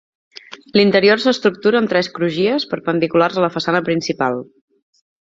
L'interior s'estructura en tres crugies perpendiculars a la façana principal.